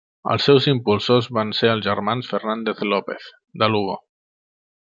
Els seus impulsors van ser els germans Fernández López, de Lugo.